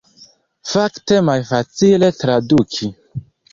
Fakte malfacile traduki.